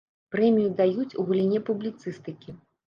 Прэмію даюць ў галіне публіцыстыкі.